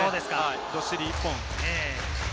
どっしり１本。